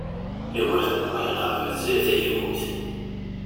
Yugurten U Muḥ iqerreb ar Tiziri Tagawawt.